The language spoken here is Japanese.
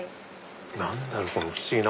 何だろう？